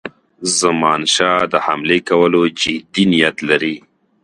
زمانشاه د حملې کولو جدي نیت لري.